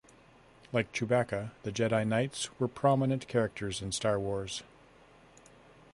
Like Chewbacca, the Jedi Knights were prominent characters in Star Wars.